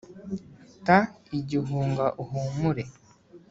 ta igihunga uhumure,